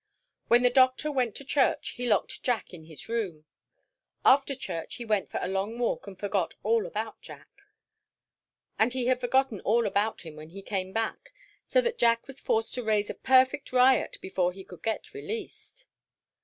When the Doctor went to church he locked Jack in his room. After church he went for a long walk and forgot all about Jack. And he had forgotten all about him when he came back, so that Jack was forced to raise a perfect riot before he could get released.